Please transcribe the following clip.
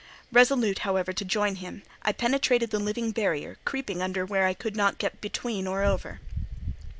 Resolute, however, to rejoin him, I penetrated the living barrier, creeping under where I could not get between or over.